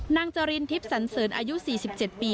จรินทิพย์สันเสริญอายุ๔๗ปี